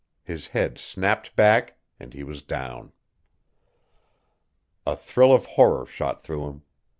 His head snapped back and he was down. A thrill of horror shot through him.